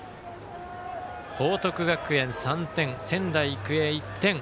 報徳学園３点仙台育英１点。